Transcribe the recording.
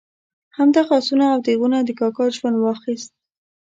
همدغه آسونه او تیغونه د کاکا ژوند واخیست.